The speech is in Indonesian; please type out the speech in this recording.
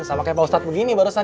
sama kayak pak ustadz begini barusan